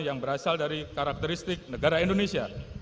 yang berasal dari karakteristik negara indonesia